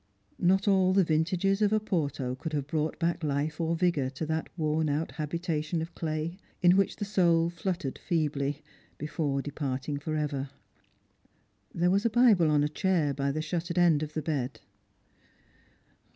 Not all the vintages of Oporto could have brought back life or vigour to that worn out habitation of clay, in which the soul fluttered feebly, before departing for ever. There was a Bible on a chair by the shuttered end of the bed.